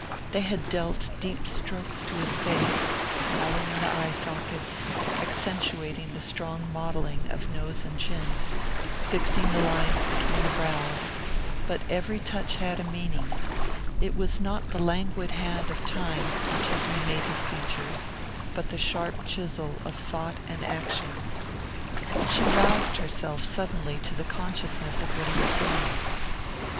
They had dealt deep strokes to his face, hollowing the eye sockets, accentuating the strong modelling of nose and chin, fixing the lines between the brows; but every touch had a meaning it was not the languid hand of time which had remade his features, but the sharp chisel of thought and action. She roused herself suddenly to the consciousness of what he was saying.